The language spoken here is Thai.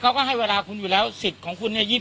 เขาก็ให้เวลาคุณอยู่แล้วสิทธิ์ของคุณเนี่ย